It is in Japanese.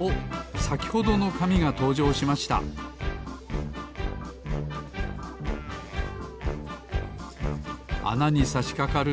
おっさきほどのかみがとうじょうしましたあなにさしかかると。